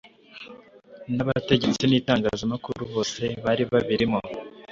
n'abategetsi n'itangazamakuru bose bari babirimo